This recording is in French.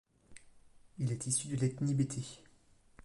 Il est issu de l'ethnie bété.